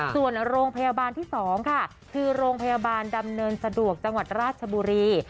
ส่วนโรงพยาบาลที่๒ค่ะคือโรงพยาบาลดำเนินสะดวกจังหวัดราชบุรี